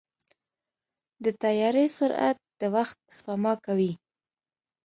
د طیارې سرعت د وخت سپما کوي.